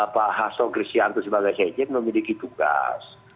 pak hasso christian sebagai sejen memiliki tugas